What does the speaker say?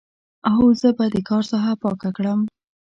هو، زه به د کار ساحه پاک کړم.